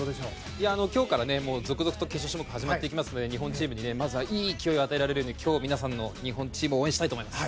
今日から続々と決勝種目が始まっていくので日本チームにまずは勢いを与えられるように今日の日本チームを応援したいと思います。